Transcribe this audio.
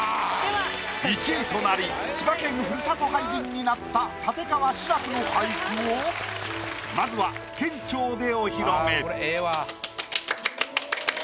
１位となり千葉県ふるさと俳人になった立川志らくの俳句をまずは県庁でお披露目！